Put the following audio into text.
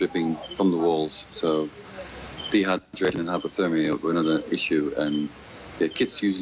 เพื่อให้พวกมันกลับกลับมาที่กลุ่มกลับกลับ